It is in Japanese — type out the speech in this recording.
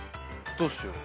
どうしよう。